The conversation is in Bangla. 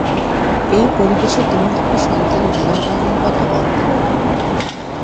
এই পরিবেশে তুমি একটা সন্তান লালন পালনের কথা ভাবতে পার?